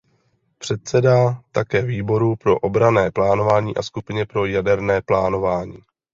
Předsedá také "Výboru pro obranné plánování" a "Skupině pro jaderné plánování".